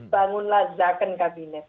bangunlah zakon kabinet